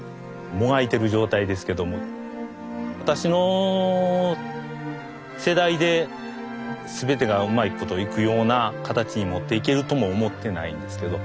もがいてる状態ですけども私の世代で全てがうまいこと行くような形に持っていけるとも思ってないんですけど